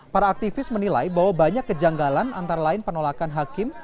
para aktivis menilai bahwa banyak kejanggalan antara lain penolakan hakim